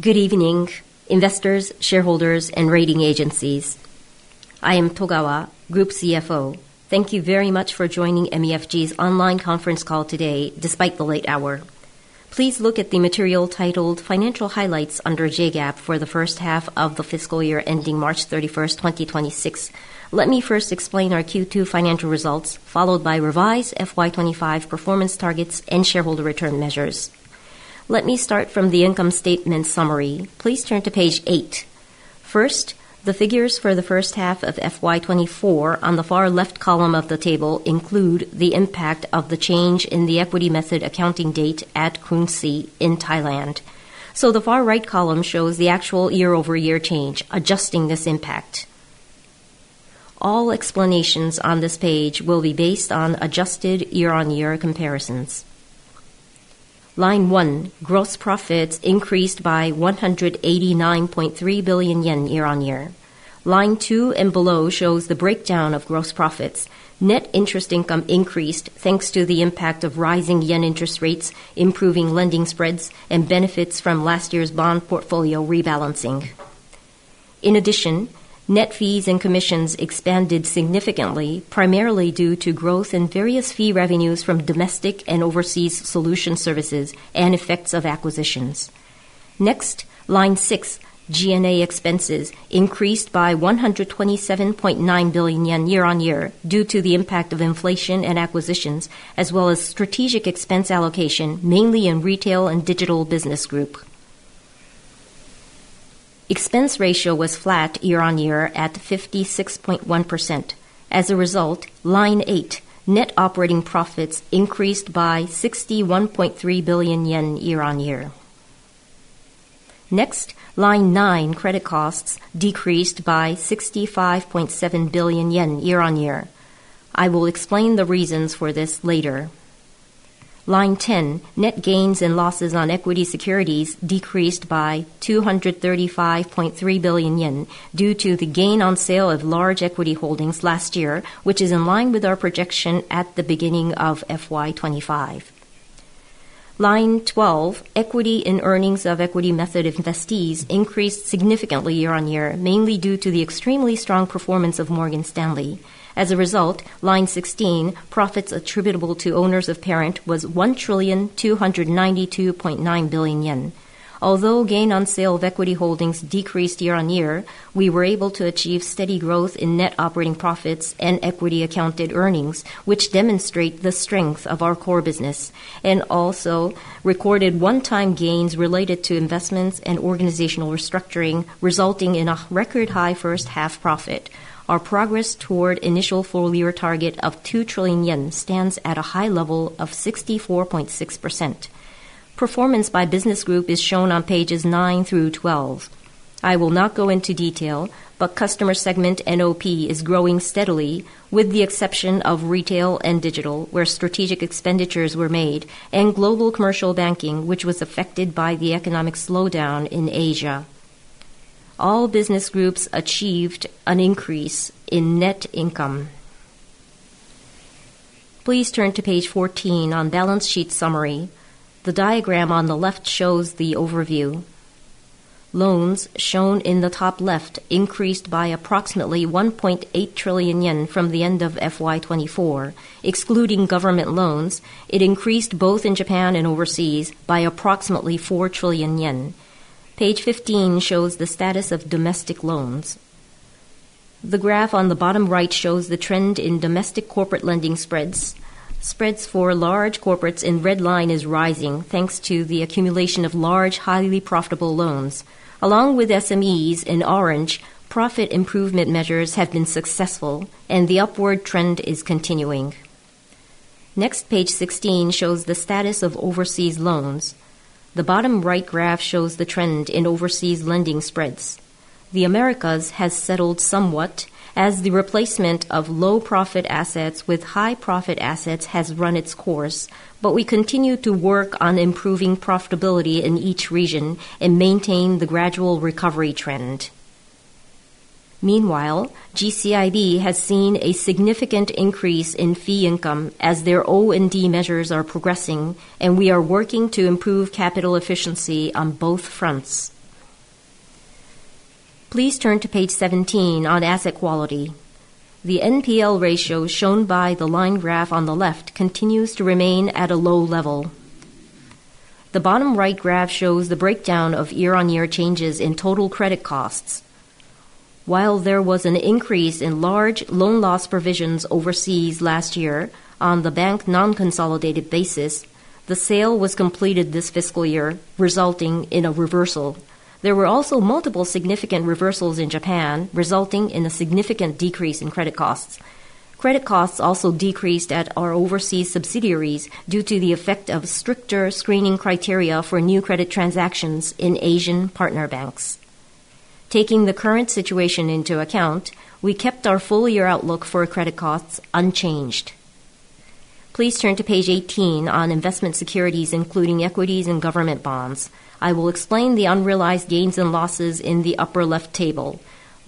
Good evening, investors, shareholders, and rating agencies. I am Togawa, Group CFO. Thank you very much for joining MUFG's online conference call today, despite the late hour. Please look at the material titled "Financial Highlights Under JGAAP" for the first half of the fiscal year ending March 31st, 2026. Let me first explain our Q2 financial results, followed by revised fiscal year 2025 performance targets and shareholder return measures. Let me start from the income statement summary. Please turn to page eight. First, the figures for the first half of fiscal year 2024 on the far left column of the table include the impact of the change in the equity method accounting date at Krungsri in Thailand. The far right column shows the actual year-over-year change, adjusting this impact. All explanations on this page will be based on adjusted year-on-year comparisons. Line 1: Gross profits increased by 189.3 billion yen year-on-year. Line 2 and below shows the breakdown of gross profits. Net interest income increased thanks to the impact of rising yen interest rates, improving lending spreads, and benefits from last year's bond portfolio rebalancing. In addition, net fees and commissions expanded significantly, primarily due to growth in various fee revenues from domestic and overseas solution services and effects of acquisitions. Next, Line 6: G&A expenses increased by 127.9 billion yen year-on-year due to the impact of inflation and acquisitions, as well as strategic expense allocation mainly in retail and digital business group. Expense ratio was flat year-on-year at 56.1%. As a result, Line 8: Net operating profits increased by 61.3 billion yen year-on-year. Next, Line 9: Credit costs decreased by 65.7 billion yen year-on-year. I will explain the reasons for this later. Net gains and losses on equity securities decreased by 235.3 billion yen due to the gain on sale of large equity holdings last year, which is in line with our projection at the beginning of fiscal year 2025. Equity in earnings of equity method investees increased significantly year-on-year, mainly due to the extremely strong performance of Morgan Stanley. As a result, profits attributable to owners of parent was 1,292.9 billion yen. Although gain on sale of equity holdings decreased year-on-year, we were able to achieve steady growth in net operating profits and equity accounted earnings, which demonstrate the strength of our core business, and also recorded one-time gains related to investments and organizational restructuring, resulting in a record high first half profit. Our progress toward initial full-year target of 2 trillion yen stands at a high level of 64.6%. Performance by business group is shown on pages 9 through 12. I will not go into detail, but customer segment NOP is growing steadily, with the exception of retail and digital, where strategic expenditures were made, and global commercial banking, which was affected by the economic slowdown in Asia. All business groups achieved an increase in net income. Please turn to page 14 on balance sheet summary. The diagram on the left shows the overview. Loans, shown in the top left, increased by approximately 1.8 trillion yen from the end of fiscal year 2024. Excluding government loans, it increased both in Japan and overseas by approximately 4 trillion yen. Page 15 shows the status of domestic loans. The graph on the bottom right shows the trend in domestic corporate lending spreads. Spreads for large corporates in red line is rising thanks to the accumulation of large, highly profitable loans. Along with SMEs in orange, profit improvement measures have been successful, and the upward trend is continuing. Next, page 16 shows the status of overseas loans. The bottom right graph shows the trend in overseas lending spreads. The Americas has settled somewhat, as the replacement of low-profit assets with high-profit assets has run its course, but we continue to work on improving profitability in each region and maintain the gradual recovery trend. Meanwhile, GCIB has seen a significant increase in fee income as their O&D measures are progressing, and we are working to improve capital efficiency on both fronts. Please turn to page 17 on asset quality. The NPL ratio shown by the line graph on the left continues to remain at a low level. The bottom right graph shows the breakdown of year-on-year changes in total credit costs. While there was an increase in large loan loss provisions overseas last year on the bank non-consolidated basis, the sale was completed this fiscal year, resulting in a reversal. There were also multiple significant reversals in Japan, resulting in a significant decrease in credit costs. Credit costs also decreased at our overseas subsidiaries due to the effect of stricter screening criteria for new credit transactions in Asian partner banks. Taking the current situation into account, we kept our full-year outlook for credit costs unchanged. Please turn to page 18 on investment securities, including equities and government bonds. I will explain the unrealized gains and losses in the upper left table.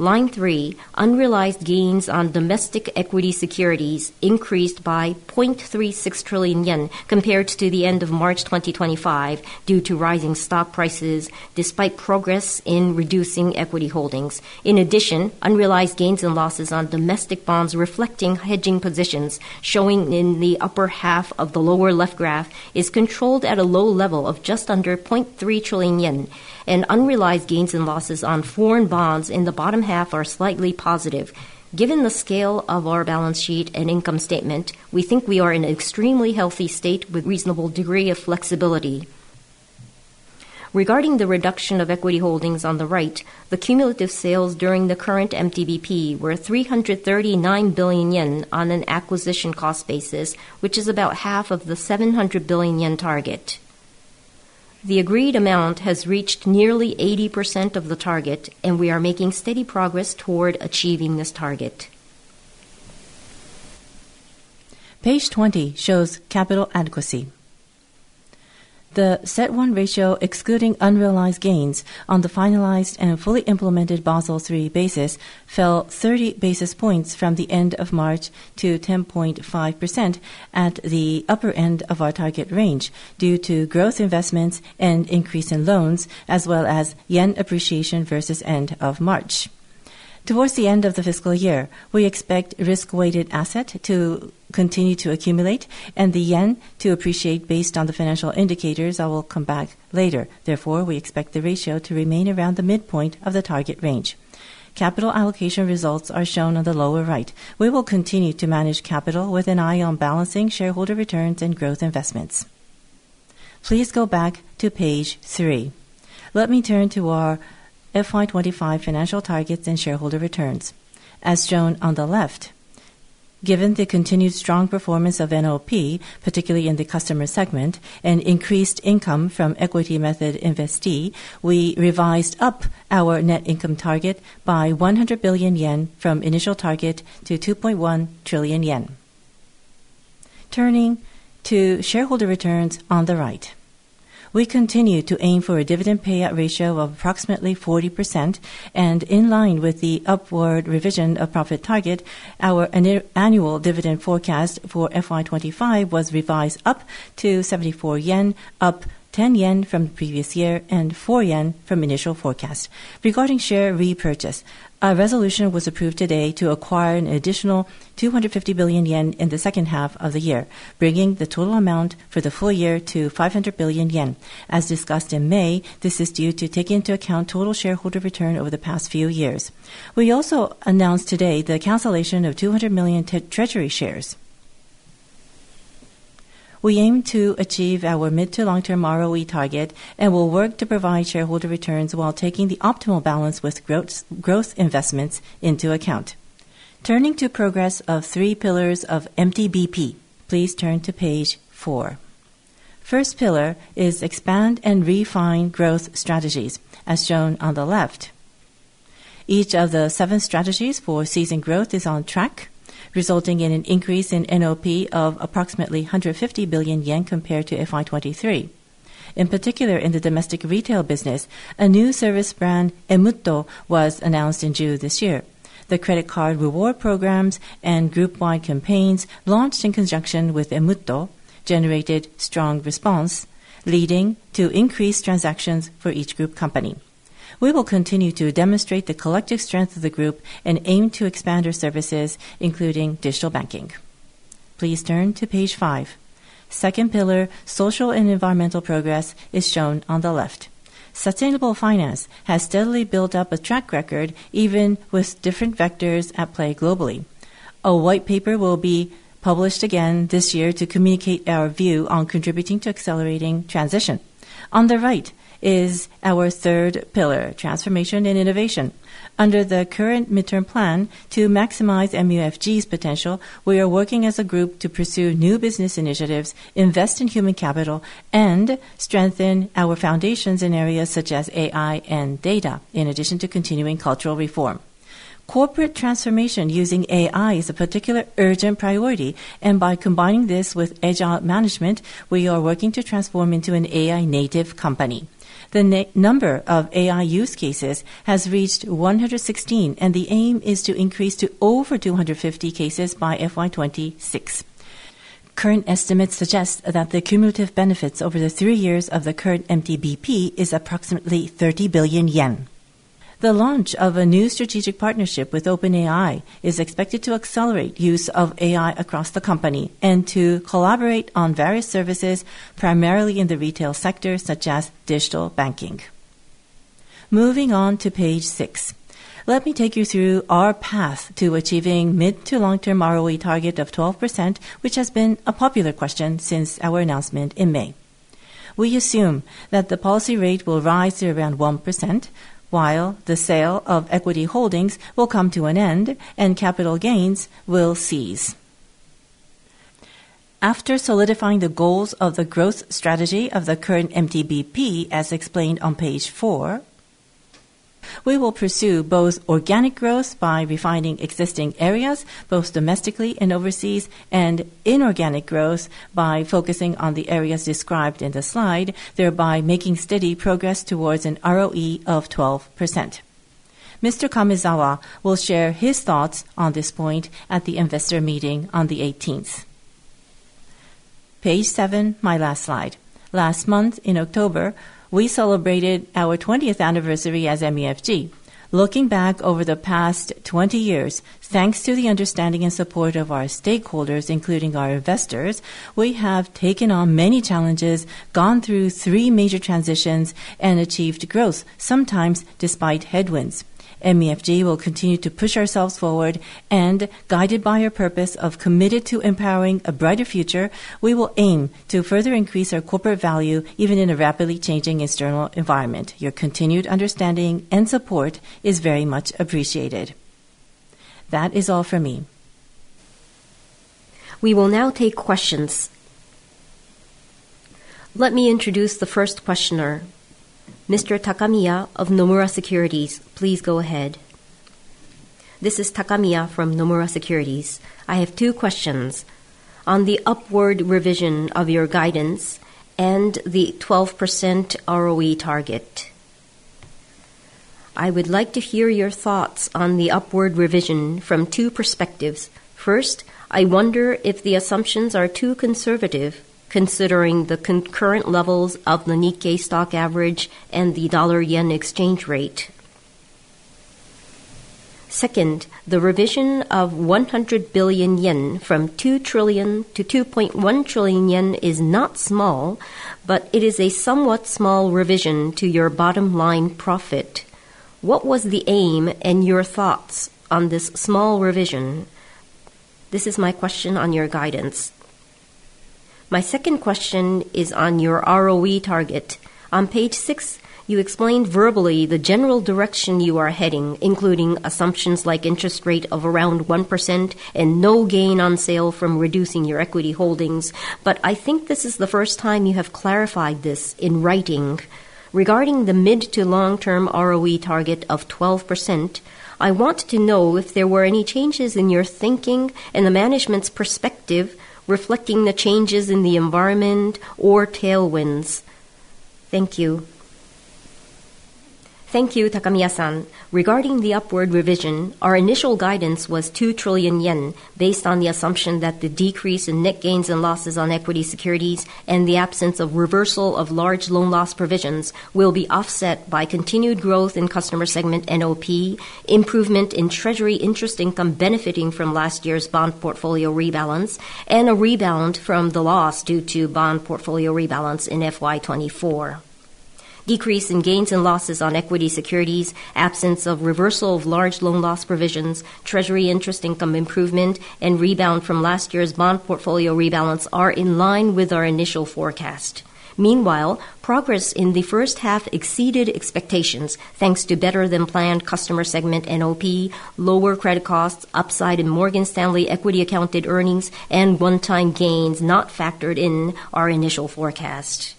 Line 3: Unrealized gains on domestic equity securities increased by 0.36 trillion yen compared to the end of March 2025 due to rising stock prices despite progress in reducing equity holdings. In addition, unrealized gains and losses on domestic bonds reflecting hedging positions, showing in the upper half of the lower left graph, is controlled at a low level of just under 0.3 trillion yen, and unrealized gains and losses on foreign bonds in the bottom half are slightly positive. Given the scale of our balance sheet and income statement, we think we are in an extremely healthy state with a reasonable degree of flexibility. Regarding the reduction of equity holdings on the right, the cumulative sales during the current MTBP were 339 billion yen on an acquisition cost basis, which is about half of the 700 billion yen target. The agreed amount has reached nearly 80% of the target, and we are making steady progress toward achieving this target. Page 20 shows capital adequacy. The CET1 ratio, excluding unrealized gains, on the finalized and fully implemented Basel III basis fell 30 basis points from the end of March to 10.5% at the upper end of our target range due to growth investments and increase in loans, as well as yen appreciation versus end of March. Towards the end of the fiscal year, we expect risk-weighted asset to continue to accumulate and the yen to appreciate based on the financial indicators I will come back later. Therefore, we expect the ratio to remain around the midpoint of the target range. Capital allocation results are shown on the lower right. We will continue to manage capital with an eye on balancing shareholder returns and growth investments. Please go back to page three. Let me turn to our FY 2025 financial targets and shareholder returns. As shown on the left, given the continued strong performance of NOP, particularly in the customer segment, and increased income from equity method investee, we revised up our net income target by 100 billion yen from initial target to 2.1 trillion yen. Turning to shareholder returns on the right, we continue to aim for a dividend payout ratio of approximately 40%, and in line with the upward revision of profit target, our annual dividend forecast for FY 2025 was revised up to 74 yen, up 10 yen from the previous year, and 4 yen from initial forecast. Regarding share repurchase, a resolution was approved today to acquire an additional 250 billion yen in the second half of the year, bringing the total amount for the full year to 500 billion yen. As discussed in May, this is due to take into account total shareholder return over the past few years. We also announced today the cancellation of 200 million treasury shares. We aim to achieve our mid- to long-term ROE target and will work to provide shareholder returns while taking the optimal balance with growth investments into account. Turning to progress of three pillars of MTBP, please turn to page four. First pillar is expand and refine growth strategies, as shown on the left. Each of the seven strategies for season growth is on track, resulting in an increase in NOP of approximately 150 billion yen compared to fiscal year 2023. In particular, in the domestic retail business, a new service brand, Emutto, was announced in June this year. The credit card reward programs and group-wide campaigns launched in conjunction with Emutto generated strong response, leading to increased transactions for each group company. We will continue to demonstrate the collective strength of the group and aim to expand our services, including digital banking. Please turn to page five. Second pillar, social and environmental progress, is shown on the left. Sustainable finance has steadily built up a track record, even with different vectors at play globally. A white paper will be published again this year to communicate our view on contributing to accelerating transition. On the right is our third pillar, transformation and innovation. Under the current midterm plan to maximize MUFG's potential, we are working as a group to pursue new business initiatives, invest in human capital, and strengthen our foundations in areas such as AI and data, in addition to continuing cultural reform. Corporate transformation using AI is a particular urgent priority, and by combining this with agile management, we are working to transform into an AI-native company. The number of AI use cases has reached 116, and the aim is to increase to over 250 cases by FY 2026. Current estimates suggest that the cumulative benefits over the three years of the current MTBP is approximately 30 billion yen. The launch of a new strategic partnership with OpenAI is expected to accelerate use of AI across the company and to collaborate on various services, primarily in the retail sector, such as digital banking. Moving on to page six, let me take you through our path to achieving mid to long-term ROE target of 12%, which has been a popular question since our announcement in May. We assume that the policy rate will rise to around 1%, while the sale of equity holdings will come to an end and capital gains will cease. After solidifying the goals of the growth strategy of the current MTBP, as explained on page 4, we will pursue both organic growth by refining existing areas, both domestically and overseas, and inorganic growth by focusing on the areas described in the slide, thereby making steady progress towards an ROE of 12%. Mr. Kamezawa will share his thoughts on this point at the investor meeting on the 18th. Page seven, my last slide. Last month, in October, we celebrated our 20th anniversary as MUFG. Looking back over the past 20 years, thanks to the understanding and support of our stakeholders, including our investors, we have taken on many challenges, gone through three major transitions, and achieved growth, sometimes despite headwinds. MUFG will continue to push ourselves forward, and guided by our purpose of committed to empowering a brighter future, we will aim to further increase our corporate value, even in a rapidly changing external environment. Your continued understanding and support is very much appreciated. That is all for me. We will now take questions. Let me introduce the first questioner, Mr. Takamiya of Nomura Securities. Please go ahead. This is Takamiya from Nomura Securities. I have two questions on the upward revision of your guidance and the 12% ROE target. I would like to hear your thoughts on the upward revision from two perspectives. First, I wonder if the assumptions are too conservative considering the concurrent levels of the Nikkei stock average and the dollar-yen exchange rate. Second, the revision of 100 billion yen from 2 trillion to 2.1 trillion yen is not small, but it is a somewhat small revision to your bottom line profit. What was the aim and your thoughts on this small revision? This is my question on your guidance. My second question is on your ROE target. On page 6, you explained verbally the general direction you are heading, including assumptions like interest rate of around 1% and no gain on sale from reducing your equity holdings, but I think this is the first time you have clarified this in writing. Regarding the mid to long-term ROE target of 12%, I want to know if there were any changes in your thinking and the management's perspective reflecting the changes in the environment or tailwinds. Thank you. Thank you, Takamiya-san. Regarding the upward revision, our initial guidance was 2 trillion yen based on the assumption that the decrease in net gains and losses on equity securities and the absence of reversal of large loan loss provisions will be offset by continued growth in customer segment NOP, improvement in treasury interest income benefiting from last year's bond portfolio rebalance, and a rebound from the loss due to bond portfolio rebalance in fiscal year 2024. Decrease in gains and losses on equity securities, absence of reversal of large loan loss provisions, treasury interest income improvement, and rebound from last year's bond portfolio rebalance are in line with our initial forecast. Meanwhile, progress in the first half exceeded expectations thanks to better-than-planned customer segment NOP, lower credit costs, upside in Morgan Stanley equity-accounted earnings, and one-time gains not factored in our initial forecast.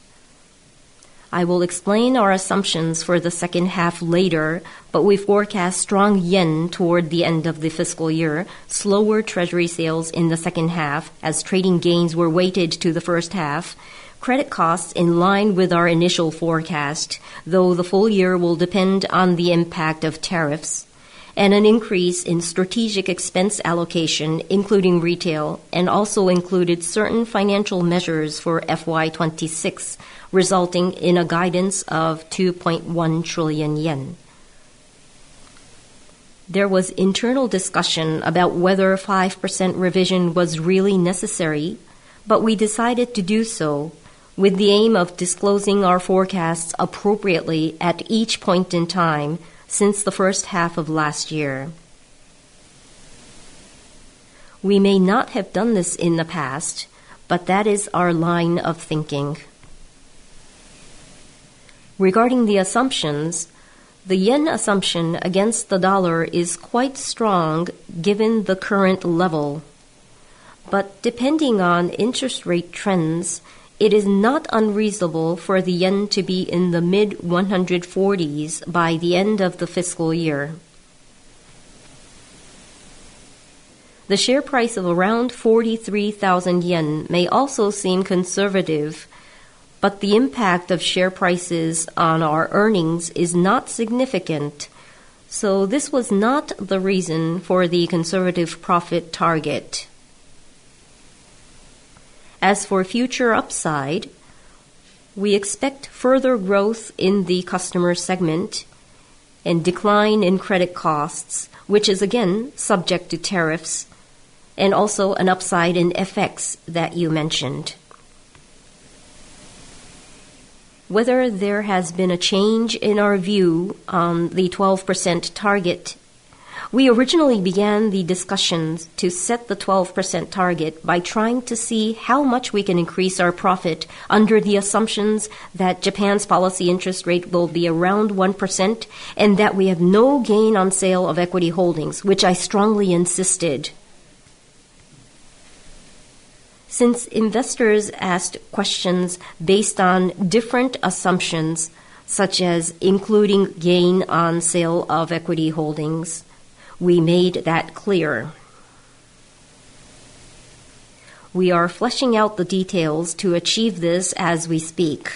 I will explain our assumptions for the second half later, but we forecast strong yen toward the end of the fiscal year, slower treasury sales in the second half as trading gains were weighted to the first half, credit costs in line with our initial forecast, though the full year will depend on the impact of tariffs, and an increase in strategic expense allocation, including retail, and also included certain financial measures for FY 2026, resulting in a guidance of 2.1 trillion yen. There was internal discussion about whether a 5% revision was really necessary, but we decided to do so with the aim of disclosing our forecasts appropriately at each point in time since the first half of last year. We may not have done this in the past, but that is our line of thinking. Regarding the assumptions, the yen assumption against the dollar is quite strong given the current level, but depending on interest rate trends, it is not unreasonable for the yen to be in the mid-140s by the end of the fiscal year. The share price of around 43,000 yen may also seem conservative, but the impact of share prices on our earnings is not significant, so this was not the reason for the conservative profit target. As for future upside, we expect further growth in the customer segment and decline in credit costs, which is again subject to tariffs, and also an upside in FX that you mentioned. Whether there has been a change in our view on the 12% target, we originally began the discussions to set the 12% target by trying to see how much we can increase our profit under the assumptions that Japan's policy interest rate will be around 1% and that we have no gain on sale of equity holdings, which I strongly insisted. Since investors asked questions based on different assumptions, such as including gain on sale of equity holdings, we made that clear. We are fleshing out the details to achieve this as we speak.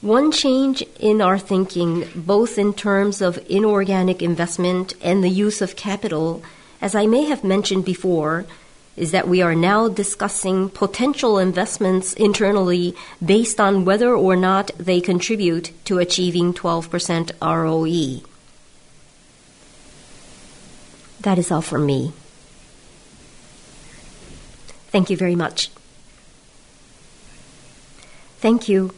One change in our thinking, both in terms of inorganic investment and the use of capital, as I may have mentioned before, is that we are now discussing potential investments internally based on whether or not they contribute to achieving 12% ROE. That is all for me. Thank you very much. Thank you.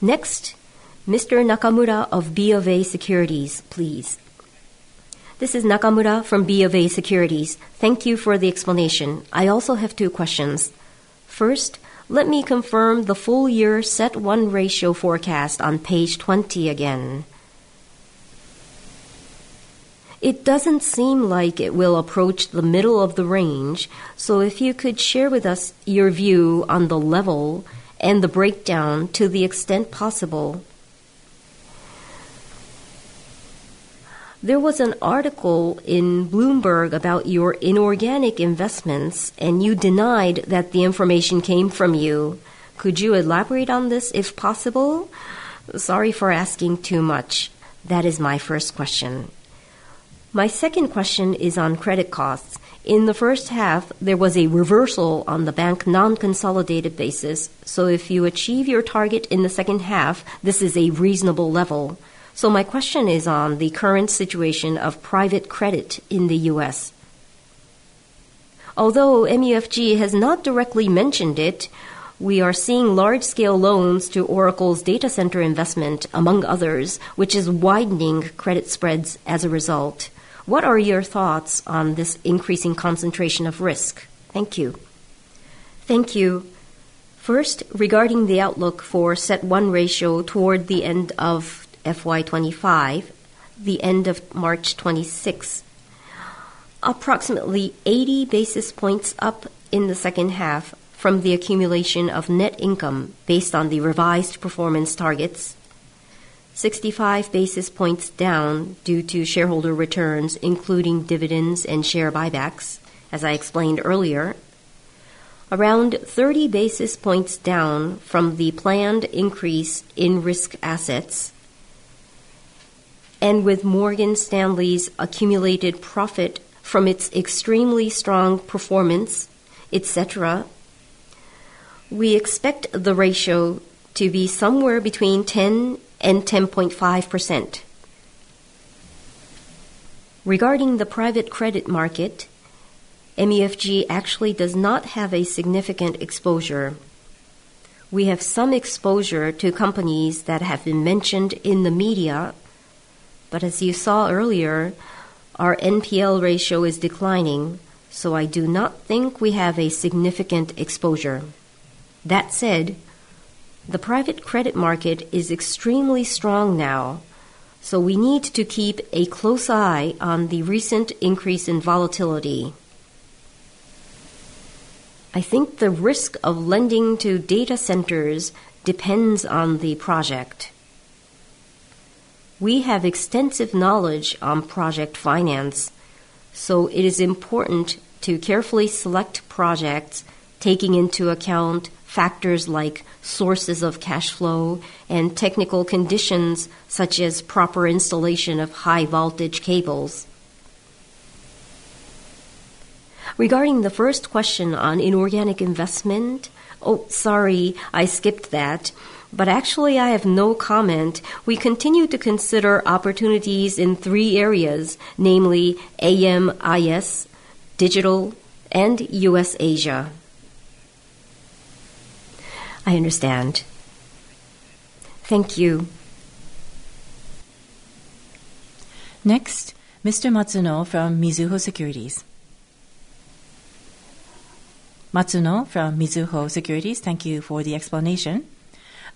Next, Mr. Nakamura of BofA Securities, please. This is Nakamura from BofA Securities. Thank you for the explanation. I also have two questions. First, let me confirm the full year CET1 ratio forecast on page 20 again. It does not seem like it will approach the middle of the range, so if you could share with us your view on the level and the breakdown to the extent possible. There was an article in Bloomberg about your inorganic investments, and you denied that the information came from you. Could you elaborate on this if possible? Sorry for asking too much. That is my first question. My second question is on credit costs. In the first half, there was a reversal on the bank non-consolidated basis, so if you achieve your target in the second half, this is a reasonable level. My question is on the current situation of private credit in the U.S.. Although MUFG has not directly mentioned it, we are seeing large-scale loans to Oracle's data center investment, among others, which is widening credit spreads as a result. What are your thoughts on this increasing concentration of risk? Thank you. First, regarding the outlook for set-one ratio toward the end of fiscal year 2025, the end of March 2026, approximately 80 basis points up in the second half from the accumulation of net income based on the revised performance targets, 65 basis points down due to shareholder returns, including dividends and share buybacks, as I explained earlier, around 30 basis points down from the planned increase in risk assets, and with Morgan Stanley's accumulated profit from its extremely strong performance, et cetera, we expect the ratio to be somewhere between 10%-10.5%. Regarding the private credit market, MUFG actually does not have a significant exposure. We have some exposure to companies that have been mentioned in the media, but as you saw earlier, our NPL ratio is declining, so I do not think we have a significant exposure. That said, the private credit market is extremely strong now, so we need to keep a close eye on the recent increase in volatility. I think the risk of lending to data centers depends on the project. We have extensive knowledge on project finance, so it is important to carefully select projects taking into account factors like sources of cash flow and technical conditions such as proper installation of high-voltage cables. Regarding the first question on inorganic investment, oh, sorry, I skipped that, but actually I have no comment. We continue to consider opportunities in three areas, namely AMIS, digital, and U.S. Asia. I understand. Thank you. Next, Mr. Matsuno from Mizuho Securities. Matsuno from Mizuho Securities, thank you for the explanation.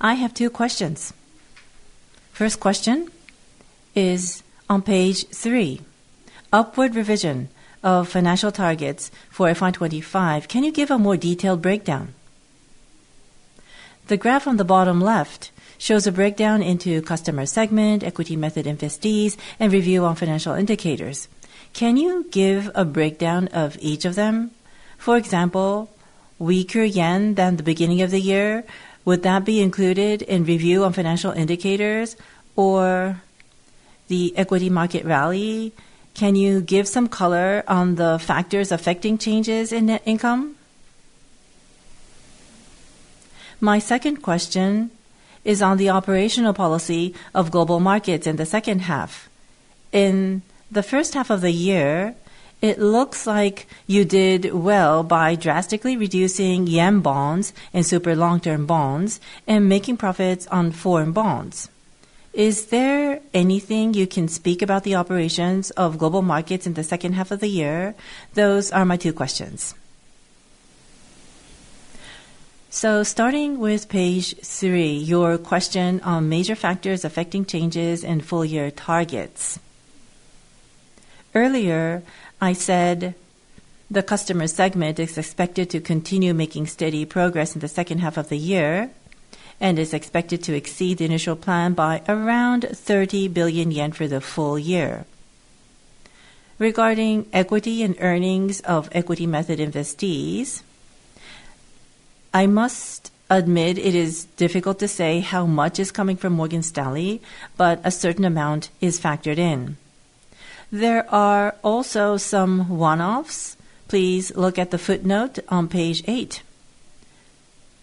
I have two questions. First question is on page three, upward revision of financial targets for FY 2025. Can you give a more detailed breakdown? The graph on the bottom left shows a breakdown into customer segment, equity method investees, and review on financial indicators. Can you give a breakdown of each of them? For example, weaker yen than the beginning of the year, would that be included in review on financial indicators or the equity market rally? Can you give some color on the factors affecting changes in net income? My second question is on the operational policy of global markets in the second half. In the first half of the year, it looks like you did well by drastically reducing yen bonds and super long-term bonds and making profits on foreign bonds. Is there anything you can speak about the operations of global markets in the second half of the year? Those are my two questions. Starting with page three, your question on major factors affecting changes in full year targets. Earlier, I said the customer segment is expected to continue making steady progress in the second half of the year and is expected to exceed the initial plan by around 30 billion yen for the full year. Regarding equity and earnings of equity method investees, I must admit it is difficult to say how much is coming from Morgan Stanley, but a certain amount is factored in. There are also some one-offs. Please look at the footnote on page eight.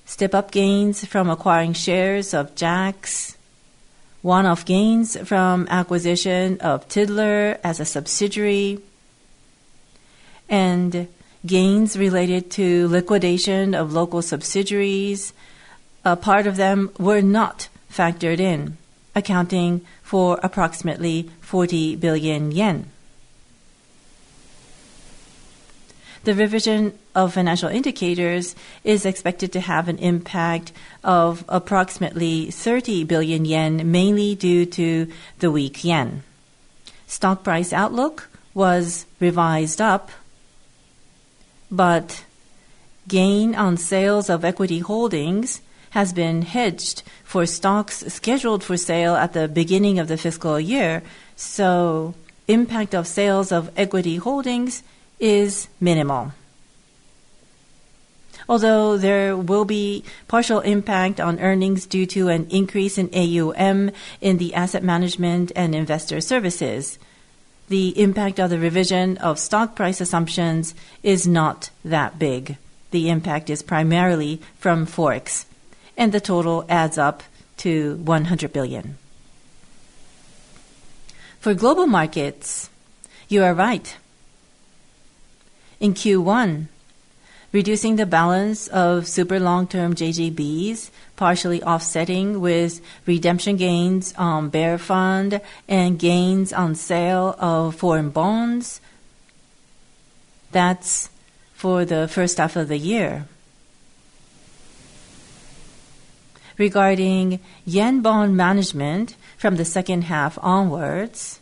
Step-up gains from acquiring shares of JACCS, one-off gains from acquisition of TIDLOR as a subsidiary, and gains related to liquidation of local subsidiaries. A part of them were not factored in, accounting for approximately JPY 40 billion. The revision of financial indicators is expected to have an impact of approximately 30 billion yen, mainly due to the weak yen. Stock price outlook was revised up, but gain on sales of equity holdings has been hedged for stocks scheduled for sale at the beginning of the fiscal year, so impact of sales of equity holdings is minimal. Although there will be partial impact on earnings due to an increase in AUM in the asset management and investor services, the impact of the revision of stock price assumptions is not that big. The impact is primarily from FOREX, and the total adds up to 100 billion. For global markets, you are right. In Q1, reducing the balance of super long-term JGBs, partially offsetting with redemption gains on bear fund and gains on sale of foreign bonds, that's for the first half of the year. Regarding yen bond management from the second half onwards,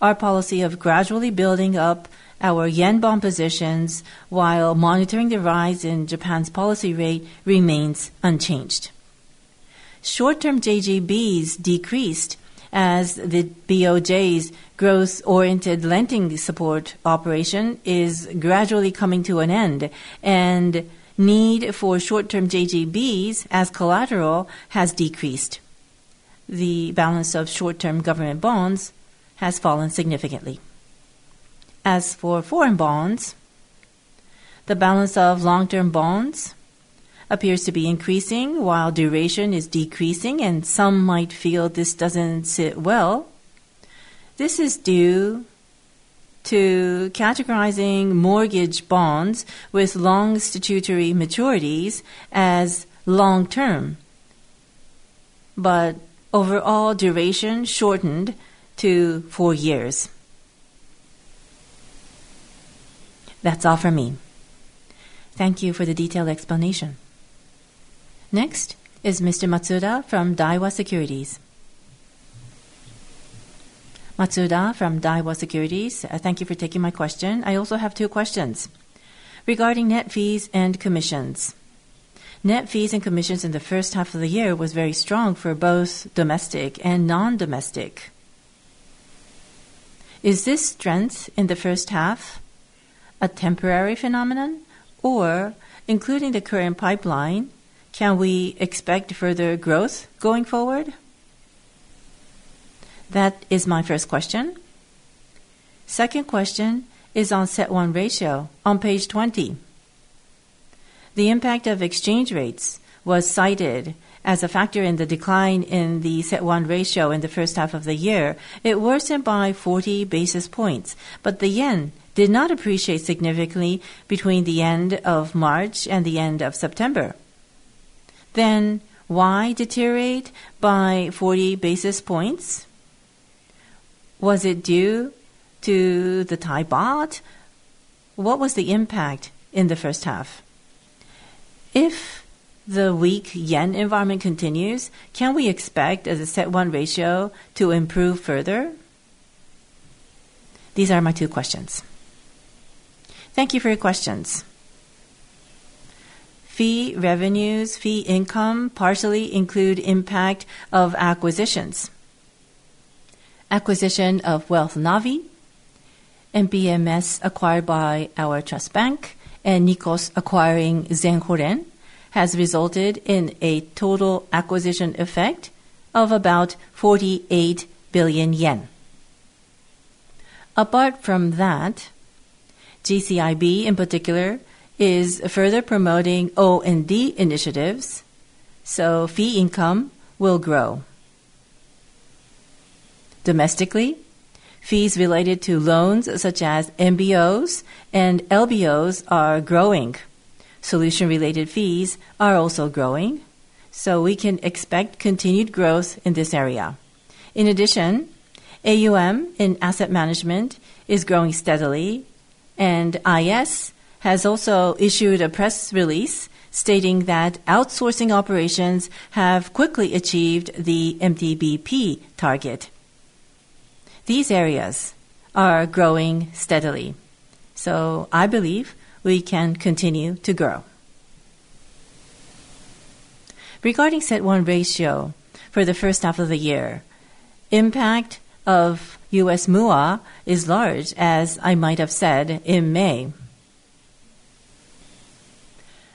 our policy of gradually building up our yen bond positions while monitoring the rise in Japan's policy rate remains unchanged. Short-term JGBs decreased as the BOJ's growth-oriented lending support operation is gradually coming to an end, and need for short-term JGBs as collateral has decreased. The balance of short-term government bonds has fallen significantly. As for foreign bonds, the balance of long-term bonds appears to be increasing while duration is decreasing, and some might feel this does not sit well. This is due to categorizing mortgage bonds with long statutory maturities as long-term, but overall duration shortened to four years. That's all for me. Thank you for the detailed explanation. Next is Mr. Matsuda from Daiwa Securities. Matsuda from Daiwa Securities, thank you for taking my question. I also have two questions. Regarding net fees and commissions, net fees and commissions in the first half of the year was very strong for both domestic and non-domestic. Is this strength in the first half a temporary phenomenon, or including the current pipeline, can we expect further growth going forward? That is my first question. Second question is on set-one ratio on page 20. The impact of exchange rates was cited as a factor in the decline in the set-one ratio in the first half of the year. It worsened by 40 basis points, but the yen did not appreciate significantly between the end of March and the end of September. Why deteriorate by 40 basis points? Was it due to the Thai baht? What was the impact in the first half? If the weak yen environment continues, can we expect the CET1 ratio to improve further? These are my two questions. Thank you for your questions. Fee revenues, fee income partially include impact of acquisitions. Acquisition of WealthNavi, MPMS acquired by our trust bank, and NICOS acquiring Zenhoren has resulted in a total acquisition effect of about 48 billion yen. Apart from that, GCIB in particular is further promoting OND initiatives, so fee income will grow. Domestically, fees related to loans such as MBOs and LBOs are growing. Solution-related fees are also growing, so we can expect continued growth in this area. In addition, AUM in asset management is growing steadily, and IS has also issued a press release stating that outsourcing operations have quickly achieved the MTBP target. These areas are growing steadily, so I believe we can continue to grow. Regarding set-one ratio for the first half of the year, impact of U.S. MUA is large, as I might have said in May.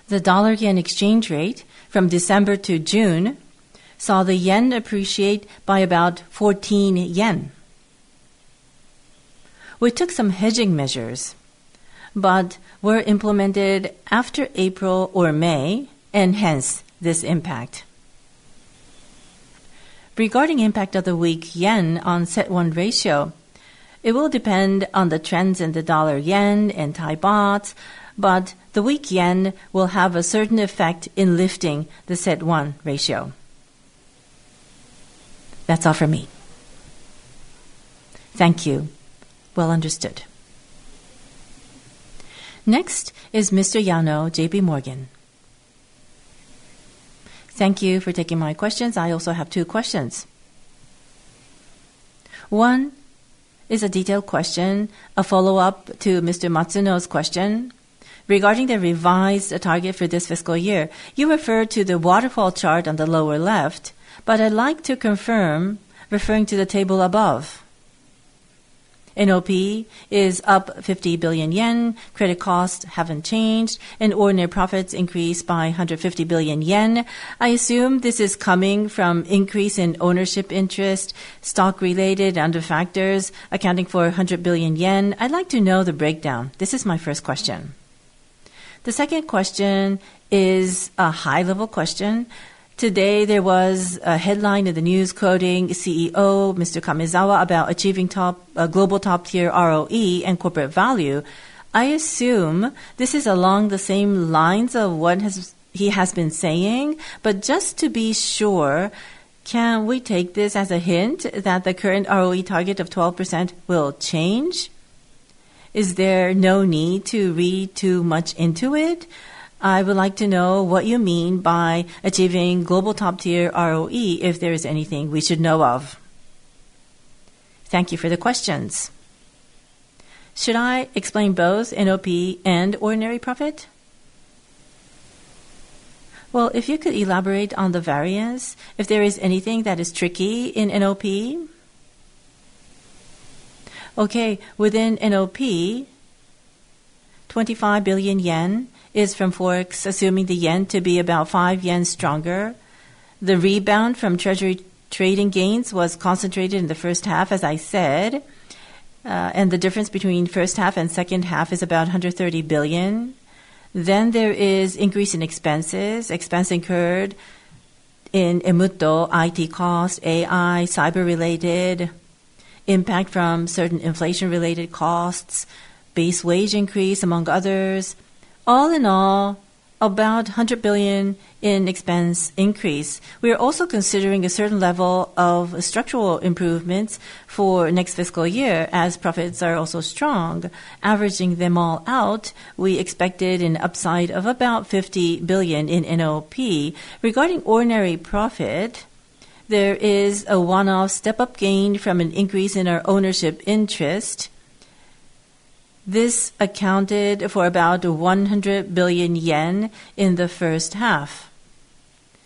The dollar-yen exchange rate from December to June saw the yen appreciate by about 14 yen. We took some hedging measures, but were implemented after April or May, and hence this impact. Regarding impact of the weak yen on set-one ratio, it will depend on the trends in the dollar-yen and Thai baht, but the weak yen will have a certain effect in lifting the set-one ratio. That is all for me. Thank you. Understood. Next is Mr. Yano, JPMorgan. Thank you for taking my questions. I also have two questions. One is a detailed question, a follow-up to Mr. Matsuno's question. Regarding the revised target for this fiscal year, you referred to the waterfall chart on the lower left, but I'd like to confirm referring to the table above. NOP is up 50 billion yen. Credit costs haven't changed, and ordinary profits increased by 150 billion yen. I assume this is coming from increase in ownership interest, stock-related under factors accounting for 100 billion yen. I'd like to know the breakdown. This is my first question. The second question is a high-level question. Today, there was a headline in the news quoting CEO Mr. Kamezawa about achieving global top-tier ROE and corporate value. I assume this is along the same lines of what he has been saying, but just to be sure, can we take this as a hint that the current ROE target of 12% will change? Is there no need to read too much into it? I would like to know what you mean by achieving global top-tier ROE, if there is anything we should know of. Thank you for the questions. Should I explain both NOP and ordinary profit? If you could elaborate on the variance, if there is anything that is tricky in NOP. Okay, within NOP, 25 billion yen is from FOREX, assuming the yen to be about 5 yen stronger. The rebound from treasury trading gains was concentrated in the first half, as I said, and the difference between first half and second half is about 130 billion. There is increase in expenses. Expense incurred in [Emutto], IT cost, AI, cyber-related, impact from certain inflation-related costs, base wage increase, among others. All in all, about 100 billion in expense increase. We are also considering a certain level of structural improvements for next fiscal year as profits are also strong. Averaging them all out, we expected an upside of about 50 billion in NOP. Regarding ordinary profit, there is a one-off step-up gain from an increase in our ownership interest. This accounted for about 100 billion yen in the first half.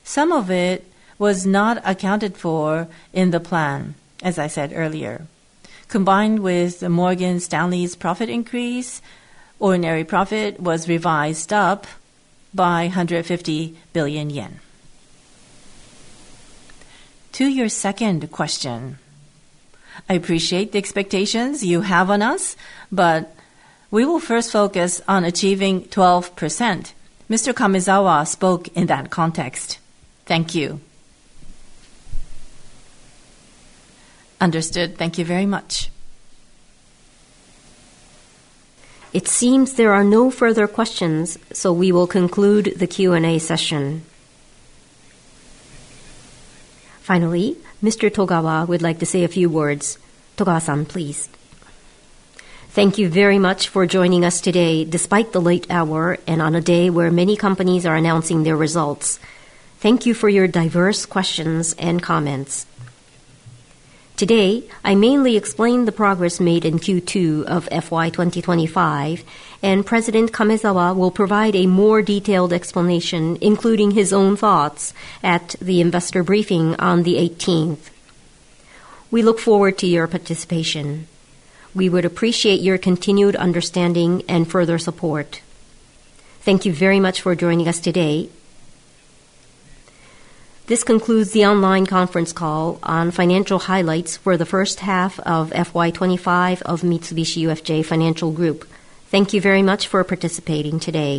Some of it was not accounted for in the plan, as I said earlier. Combined with Morgan Stanley's profit increase, ordinary profit was revised up by JPY 150 billion. To your second question, I appreciate the expectations you have on us, but we will first focus on achieving 12%. Mr. Kamezawa spoke in that context. Thank you. Understood. Thank you very much. It seems there are no further questions, so we will conclude the Q&A session. Finally, Mr. Togawa would like to say a few words. Togawa-san, please. Thank you very much for joining us today despite the late hour and on a day where many companies are announcing their results. Thank you for your diverse questions and comments. Today, I mainly explained the progress made in Q2 of FY 2025, and President Kamezawa will provide a more detailed explanation, including his own thoughts at the investor briefing on the 18th. We look forward to your participation. We would appreciate your continued understanding and further support. Thank you very much for joining us today. This concludes the online conference call on financial highlights for the first half of FY 2025 of Mitsubishi UFJ Financial Group. Thank you very much for participating today.